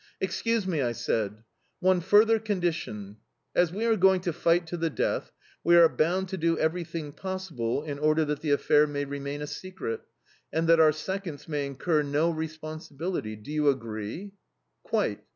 "Excuse me!" I said. "One further condition. As we are going to fight to the death, we are bound to do everything possible in order that the affair may remain a secret, and that our seconds may incur no responsibility. Do you agree?"... "Quite."